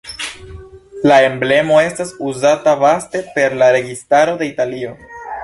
La emblemo estas uzata vaste per la registaro de Italio.